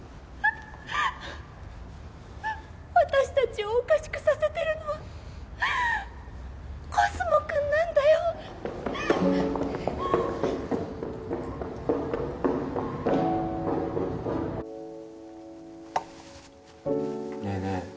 私たちをおかしくさせてるのはコスモくんなんだよ「ねぇねぇ